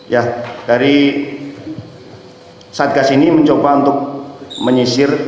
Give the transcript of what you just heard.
ya dari satgas ini mencoba untuk menyisir